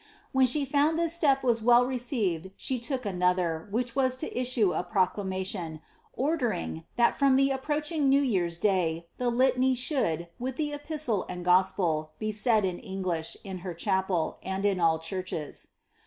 When she found this step was well received she took another, which was to issue a proclamation, ordering, that from the approaching new yearns day, the litany should, with the epistle and gospel, be said in English in her chapel, and in all churches.